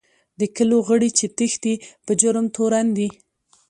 د کلو غړي چې د تېښتې په جرم تورن دي.